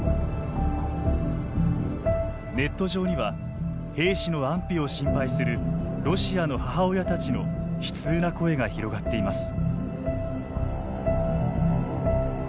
ネット上には兵士の安否を心配するロシアの母親たちの悲痛な声が広がっています。